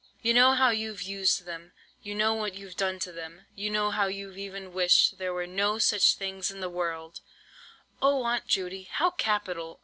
"You know how you've used them; you know what you've done to them; you know how you've even wished there were no such things in the world!" "Oh, Aunt Judy, how capital!"